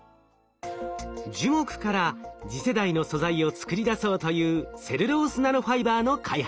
樹木から次世代の素材を作り出そうというセルロースナノファイバーの開発。